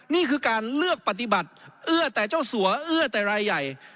นี่คือการเลือกปฏิบัติเอื้อแต่เจ้าสัวเอื้อแต่รายใหญ่